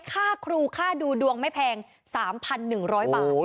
ค่าครูค่าดูดวงไม่แพง๓๑๐๐บาท